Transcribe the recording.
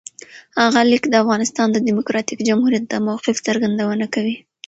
هغه لیک د افغانستان د دموکراتیک جمهوریت د موقف څرګندونه کوي.